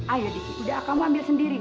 ayo diki udah kamu ambil sendiri